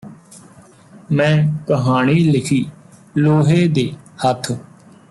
ਮੈਂ ਕਹਾਣੀ ਲਿਖੀ ਲੋਹੇ ਦੇ ਹੱਥ